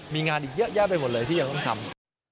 มีงานอีกเยอะแยะไปหมดเลยที่ยังต้องทำ